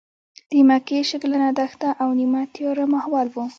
د مکې شګلنه دښته او نیمه تیاره ماحول و.